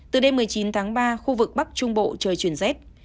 từ đêm một mươi chín tháng ba khu vực bắc trung bộ trời chuyển rét